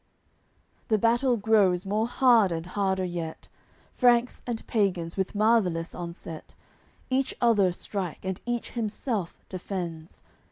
CIX The battle grows more hard and harder yet, Franks and pagans, with marvellous onset, Each other strike and each himself defends.